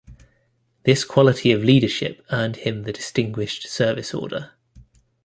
This quality of leadership earned him the Distinguished Service Order.